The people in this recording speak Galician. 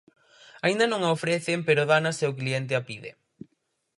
Aínda non a ofrecen pero dana se o cliente a pide.